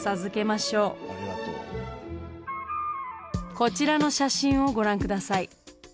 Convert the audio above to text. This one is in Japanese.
こちらの写真をご覧ください。